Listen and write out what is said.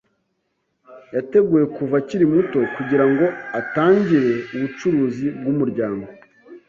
Yateguwe kuva akiri muto kugira ngo atangire ubucuruzi bwumuryango.